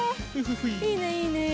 いいねいいね。